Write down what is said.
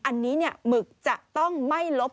อันนี้หมึกจะต้องไม่ลบ